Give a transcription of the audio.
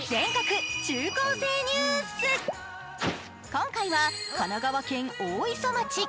今回は神奈川県大磯町。